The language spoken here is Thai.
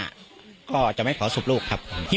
กลุ่มวัยรุ่นกลัวว่าจะไม่ได้รับความเป็นธรรมทางด้านคดีจะคืบหน้า